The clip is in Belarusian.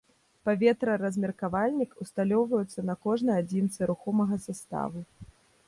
Паветраразмеркавальнік ўсталёўваюцца на кожнай адзінцы рухомага саставу.